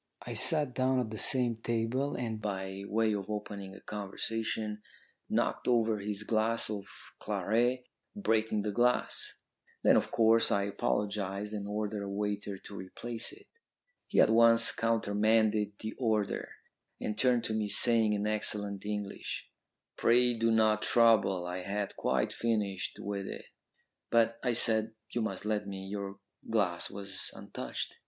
I sat down at the same table, and, by way of opening a conversation, knocked over his glass of claret, breaking the glass. Then, of course, I apologised and ordered a waiter to replace it. He at once countermanded the order, and turned to me, saying in excellent English, 'Pray do not trouble. I had quite finished with it.' "'But,' I said, 'you must let me. Your glass was untouched.'